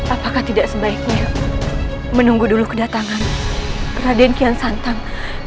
apakah tidak sebaiknya menunggu dulu kedatangan raden kian santang